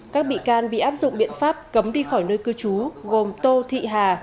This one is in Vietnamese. các bị can bị áp dụng biện pháp cấm đi khỏi nơi cư trú gồm tô thị hà